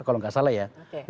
kalau tidak salah ya